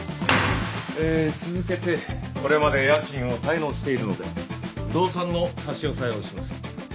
えー続けてこれまで家賃を滞納しているので動産の差し押さえをします。